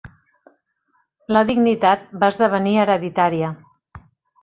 La dignitat va esdevenir hereditària.